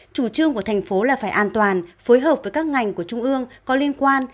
chủ trương của thành phố là phải an toàn phối hợp với các ngành của trung ương có liên quan